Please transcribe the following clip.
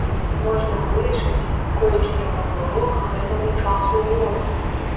Можна вылічыць, колькі яму было к гэтаму часу год.